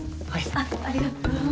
あっありがとう。